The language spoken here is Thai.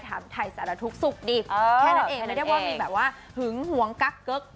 ถามไทยสารทุกข์สุขดิแค่นั้นเองไม่ได้ว่ามีแบบว่าหึงหวงกักเกิ๊ก